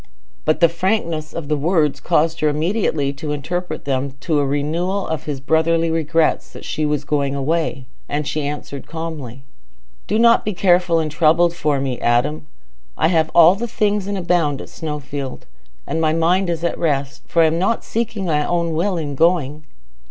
But the frankness of the words caused her immediately to interpret them into a renewal of his brotherly regrets that she was going away, and she answered calmly, "Do not be careful and troubled for me, Adam. I have all things and abound at Snowfield. And my mind is at rest, for I am not seeking my own will in going."